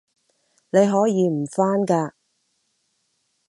你可以唔返㗎